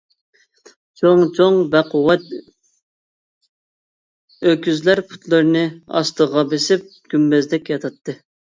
چوڭ-چوڭ بەقۇۋۋەت ئۆكۈزلەر پۇتلىرىنى ئاستىغا بېسىپ گۈمبەزدەك ياتاتتى.